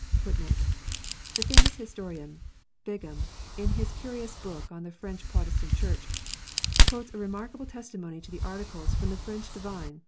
*": The famous historian Bingham, in his curious book on the French Pro* testant Church, quotes a remarkable testimony to the Articles from the 68 KNOTS UNTIED.